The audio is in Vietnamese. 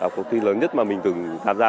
cuộc thi lớn nhất mà mình từng tham gia